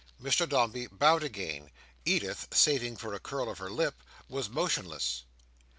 Mr Dombey bowed again. Edith, saving for a curl of her lip, was motionless.